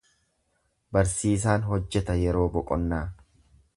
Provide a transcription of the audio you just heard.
Barsiisaan hojjeta yeroo boqonnaa.